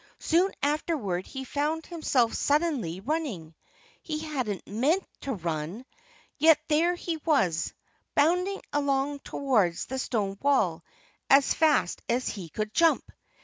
Soon afterward he found himself suddenly running. He hadn't meant to run. Yet there he was, bounding along towards the stone wall as fast as he could jump!